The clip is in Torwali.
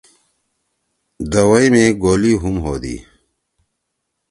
دوَئی می گولی ہُم ہودی۔